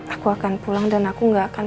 aku akan pulang dan aku nggak akan